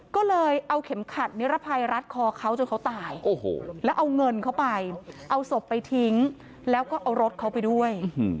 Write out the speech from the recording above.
ก็เลยเอาเข็มขัดนิรภัยรัดคอเขาจนเขาตายแล้วเอาเงินเข้าไปเอาศพไปทิ้งแล้วก็เอารถเขาไปด้วย